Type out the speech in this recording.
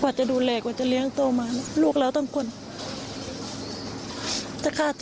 กว่าจะดูเลขกว่าจะเลี้ยงโตมา